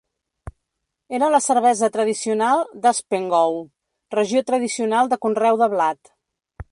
Era la cervesa tradicional d'Haspengouw, regió tradicional de conreu de blat.